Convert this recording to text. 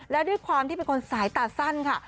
และด้วยความที่เป็นคนสายตาสั้นค่ะ